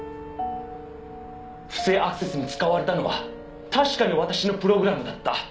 「不正アクセスに使われたのは確かに私のプログラムだった」